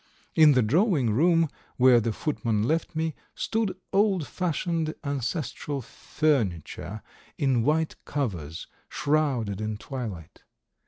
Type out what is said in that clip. In the drawing room, where the footman left me, stood old fashioned ancestral furniture in white covers, shrouded in twilight.